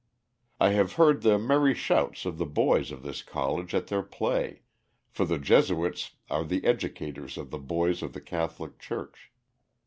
I have heard the merry shouts of the boys of this college at their play, for the Jesuits are the educators of the boys of the Catholic Church.